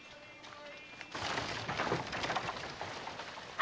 あ！